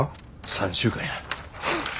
３週間や。